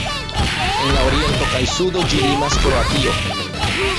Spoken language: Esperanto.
En la oriento kaj sudo ĝi limas Kroatio.